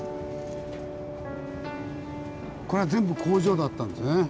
これが全部工場だったんですね？